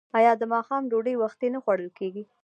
آیا د ماښام ډوډۍ وختي نه خوړل کیږي؟